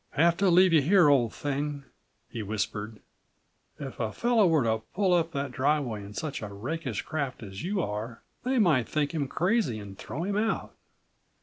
"Have to leave you here, old thing," he whispered. "If a fellow were to pull up that driveway in such a rakish craft as you are, they might think him crazy and throw him out.